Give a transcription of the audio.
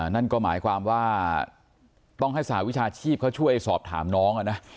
นั่นก็หมายความว่าต้องให้สหวิชาชีพเขาช่วยสอบถามน้องนะ